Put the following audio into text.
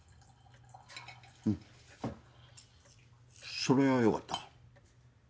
うんそれはよかった。